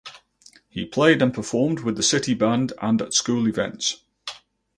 He played and performed with the city band and at school events.